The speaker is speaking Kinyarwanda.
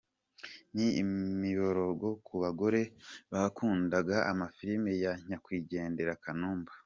Ni imiborogo ku bagore bakundaga amafilimi ya nyakwigendera Kanumba.